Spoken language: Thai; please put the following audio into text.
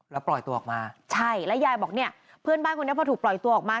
แล้วปล่อยตัวออกมาใช่แล้วยายบอกเนี่ยเพื่อนบ้านคนนี้พอถูกปล่อยตัวออกมา